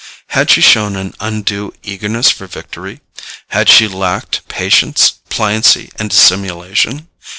Had she shown an undue eagerness for victory? Had she lacked patience, pliancy and dissimulation?